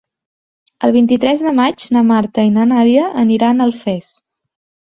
El vint-i-tres de maig na Marta i na Nàdia aniran a Alfés.